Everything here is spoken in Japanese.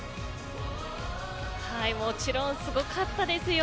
はい、もちろんすごかったですよ。